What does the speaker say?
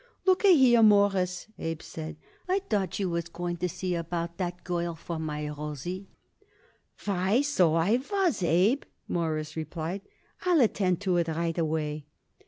"Look a here, Mawruss," Abe said, "I thought you was going to see about that girl for my Rosie." "Why, so I was, Abe," Morris replied; "I'll attend to it right away."